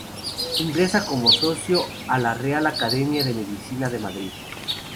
Ingresa como socio de la Real Academia de Medicina de Madrid.